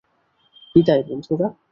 বিদায়, বন্ধুরা।